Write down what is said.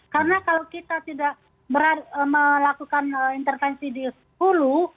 karena kalau kita tidak melakukan intervensi di hulu